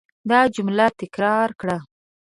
دا جمله تکرار کړه.